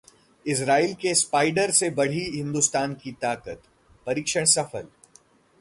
Israel के 'spider' से बढ़ी हिंदुस्तान की ताकत, परीक्षण सफल